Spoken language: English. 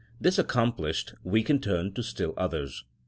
This accom plished we can turn to stiU others.